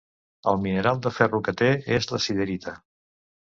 El mineral de ferro que té és la siderita.